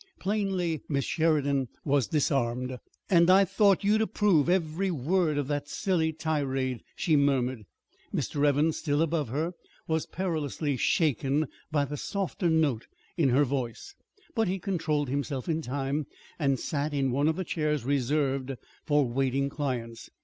Plainly Miss Sheridan was disarmed. "And I thought you'd approve every word of his silly tirade," she murmured. Mr. Evans, still above her, was perilously shaken by the softer note in her voice, but he controlled himself in time and sat in one of the chairs reserved for waiting clients.